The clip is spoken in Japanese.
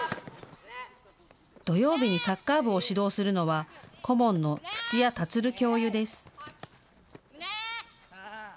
土曜日にサッカー部を指導するのは顧問の土屋起教諭です。